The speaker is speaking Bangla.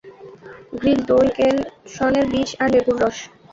গ্রীক দই, কেল, শণের বীজ আর লেবুর রস।